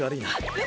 え？